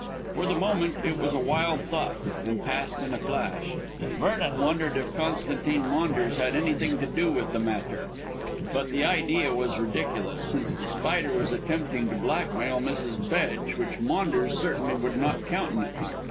For the moment it was a wild thought, and passed in a flash Vernon wondered if Constantine Maunders had anything to do with the matter. But the idea was ridiculous, since The Spider was attempting to blackmail Mrs. Bedge, which Maunders certainly would not countenance.